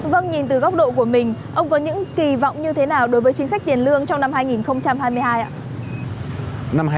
vâng nhìn từ góc độ của mình ông có những kỳ vọng như thế nào đối với chính sách tiền lương trong năm hai nghìn hai mươi hai ạ